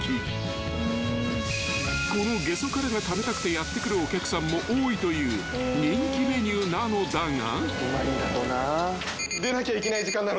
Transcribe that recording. ［このゲソカラが食べたくてやって来るお客さんも多いという人気メニューなのだが］